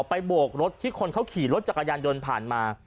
โบกรถที่คนเขาขี่รถจักรยานยนต์ผ่านมา